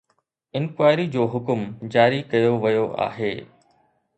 Inquiry جو حڪم جاري ڪيو ويو آهي.